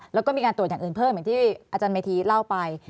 แล้วก็มีการตรวจอย่างอื่นเพิ่มเหมือนที่อาจารย์เมธีเล่าไป